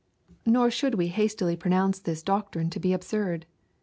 Nor should we hastily pronounce this doctrine to be absurd.